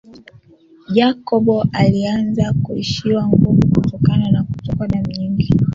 Jacob alianza kuishiwa nguvu kutokana na kutokwa na damu nyingi